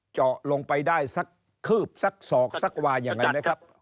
เจาะลงไปได้สักคืบสักศอกสักวายังไงไหมครับ